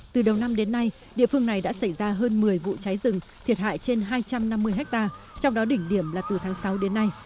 từ đầu năm đến nay địa phương này đã xảy ra hơn một mươi vụ cháy rừng thiệt hại trên hai trăm năm mươi hectare trong đó đỉnh điểm là từ tháng sáu đến nay